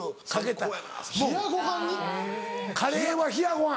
カレーは冷やご飯。